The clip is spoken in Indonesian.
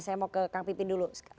saya mau ke kang pipin dulu